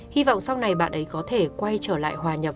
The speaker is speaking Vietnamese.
hy vọng sau này bạn ấy có thể quay trở lại hòa nhập